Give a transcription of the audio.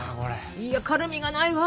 いや軽みがないわ。